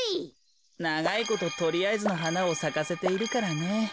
ながいこととりあえずのはなをさかせているからね。